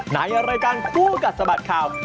ในรายการคู่กัดสะบัดข่าว